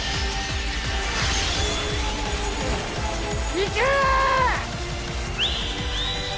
いけ！